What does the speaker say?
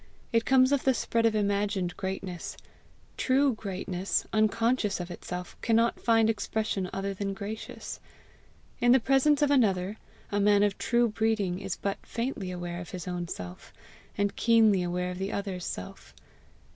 It comes of the spread of imagined greatness; true greatness, unconscious of itself, cannot find expression other than gracious. In the presence of another, a man of true breeding is but faintly aware of his own self, and keenly aware of the other's self.